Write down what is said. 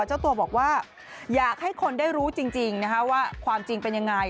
เจ้าตัวบอกว่าอยากให้คนได้รู้จริงว่าความจริงเป็นยังไง